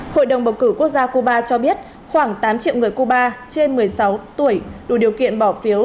hội đồng bầu cử quốc gia cuba cho biết khoảng tám triệu người cuba trên một mươi sáu tuổi đủ điều kiện bỏ phiếu